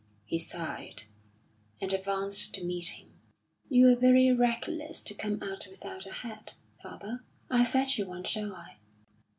He sighed, and advanced to meet him. "You're very reckless to come out without a hat, father. I'll fetch you one, shall I?"